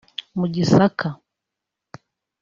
mu Gisaka